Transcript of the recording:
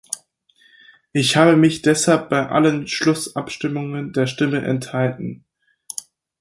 Ich habe mich deshalb bei allen Schlussabstimmungen der Stimme enthalten.